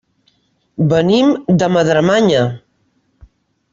Venim de Madremanya.